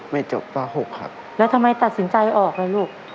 ไม่จบป๖ครับแล้วทำไมตัดสินใจออกล่ะลูก